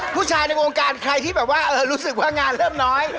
ผู้ชายในวงการใครที่แบบว่ารู้สึกว่างานเริ่มน้อย